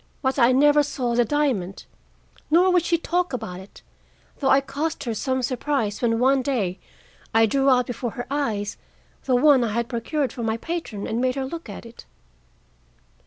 But I never saw the diamond, nor would she talk about it, though I caused her some surprise when one day I drew out before her eyes the one I had procured for my patron and made her look at it.